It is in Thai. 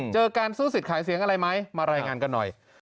การสู้สิทธิ์ขายเสียงอะไรไหมมารายงานกันหน่อย